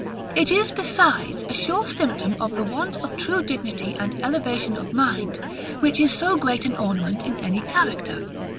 It is besides a sure symptom of the want of true dignity and elevation of mind, which is so great an ornament in any character.